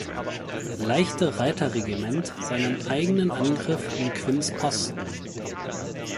Leichte Reiterregiment seinen eigenen Angriff um Quinns Posten.